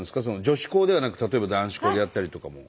女子校ではなく例えば男子校でやったりとかも。